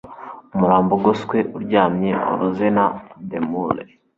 umurambo ugoswe uryamye wabuze na demure